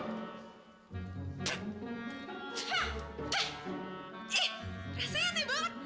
ih rasanya tih banget